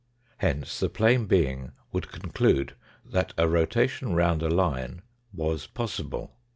Hence the plane being would conclude that a rotation round a line was possible.